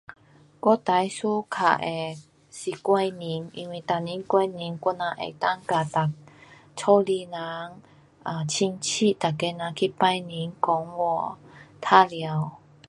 我最 suka 的是过年。因为每年过年我人能够跟每，家里人，啊亲戚每个人去拜年，讲话，玩耍。